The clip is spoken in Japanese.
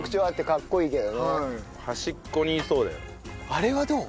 あれはどう？